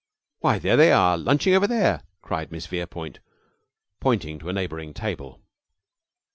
"Why, there they are lunching over there!" cried Miss Verepoint, pointing to a neighboring table.